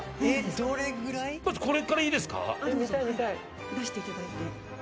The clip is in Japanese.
どうぞ出していただいて。